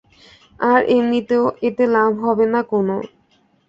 আর এমনিতেও, এতে লাভ হবে না কোনো।